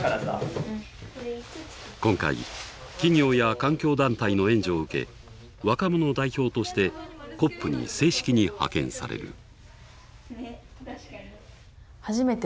今回企業や環境団体の援助を受け若者代表としてＣＯＰに正式に派遣される。